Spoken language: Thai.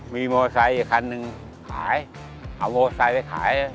มีมอไซค์อีกคันหนึ่งขายเอามอไซค์ไปขาย